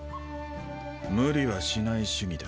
無理はしない主義だ。